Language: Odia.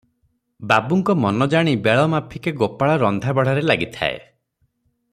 ବାବୁଙ୍କ ମନ ଜାଣି ବେଳ ମାଫିକେ ଗୋପାଳ ରନ୍ଧା ବଢ଼ାରେ ଲାଗିଥାଏ ।